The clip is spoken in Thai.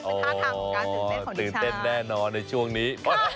โอ้โหตื่นเต้นแน่นอนในช่วงนี้